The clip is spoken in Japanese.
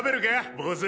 坊主。